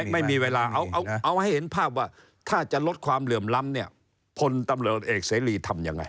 ไม่มีเวลาเอาให้เห็นภาพว่าถ้าจะลดความเหลื่อมล้ำเนี่ยพลตำรวจเอกเสรีทำยังไง